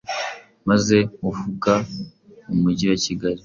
maze avuga umujyi wa Kigali